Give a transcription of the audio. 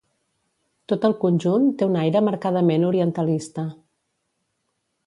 Tot el conjunt té un aire marcadament orientalista.